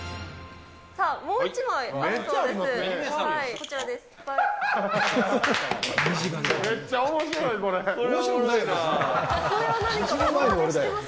さあ、もう一枚あるそうです。